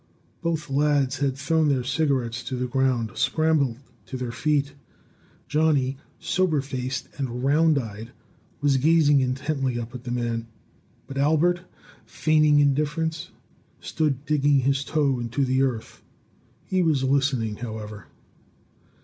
Both lads had thrown their cigarettes to the ground, scrambled to their feet. Johnny, sober faced and round eyed, was gazing intently up at the man; but Albert, feigning indifference, stood digging his toe into the earth. He was listening, however.